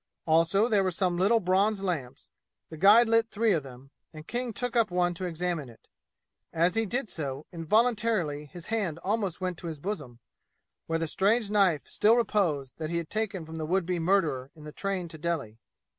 Also there were some little bronze lamps; the guide lit three of them, and King took up one to examine it. As he did so, involuntarily his hand almost went to his bosom, where the strange knife still reposed that he had taken from the would be murderer in the train to Delhi.